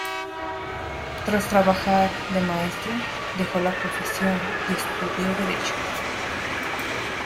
Tras trabajar de maestro dejó la profesión y estudió Derecho.